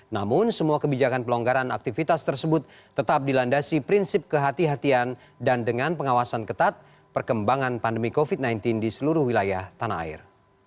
namun semua kebijakan pelonggaran aktivitas tersebut tetap dilandasi prinsip kehatian dan dengan pengawasan ketat perkembangan pandemi covid sembilan belas di seluruh wilayah tanah air